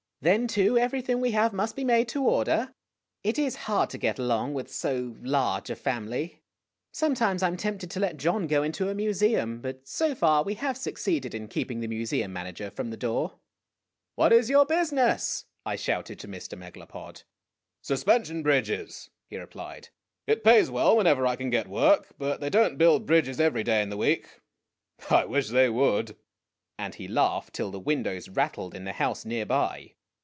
Then, too, everything we have must be made to order. It is hard to get along with so large a family. Sometimes I 'm tempted to let John go into a museum ; but so far we have succeeded in keeping the mu seum manager from the door." "What is your business?" I shouted to Mr. Megalopod. " Suspension bridges," he replied. "It pays well whenever I can get work ; but they don't build bridges every day in the week I wish they would !' and he laughed till the windows rattled in the house near by.